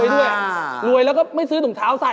ด้วยรวยแล้วก็ไม่ซื้อถุงเท้าใส่